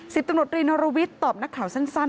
ตำรวจรีนรวิทย์ตอบนักข่าวสั้น